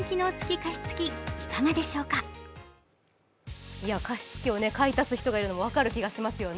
加湿器を買い足す人がいるのも分かる気がしますよね。